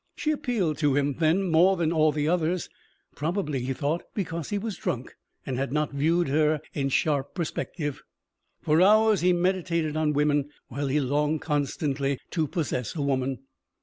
She appealed to him then more than all the others probably, he thought, because he was drunk and had not viewed her in sharp perspective. For hours he meditated on women, while he longed constantly to possess a woman.